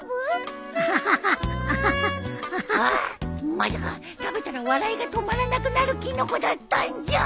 まさか食べたら笑いが止まらなくなるキノコだったんじゃ。